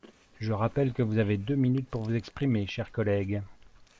Je rappelle que vous avez deux minutes pour vous exprimer, cher collègue.